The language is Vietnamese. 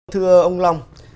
thưa ông long